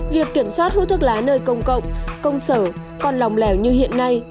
việc kiểm soát hút thuốc lá nơi công cộng công sở còn lòng lẻo như hiện nay